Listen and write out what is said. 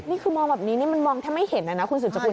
นี่คือมองแบบนี้นี่มันมองแทบไม่เห็นนะคุณสุดสกุล